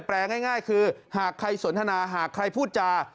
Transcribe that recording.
แปลง่ายคือหากใครสนทนาหากใครพูดจา